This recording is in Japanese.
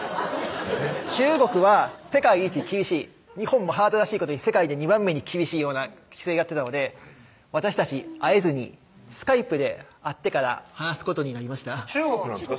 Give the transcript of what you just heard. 中国は世界一厳しい日本も腹立たしいことに世界で２番目に厳しいような規制やってたので私たち会えずにＳｋｙｐｅで会ってから話すことになりました中国なんですか？